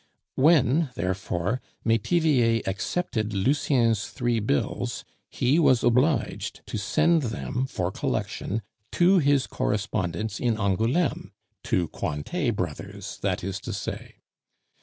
When, therefore, Metivier accepted Lucien's three bills, he was obliged to send them for collection to his correspondents in Angouleme to Cointet Brothers, that is to say.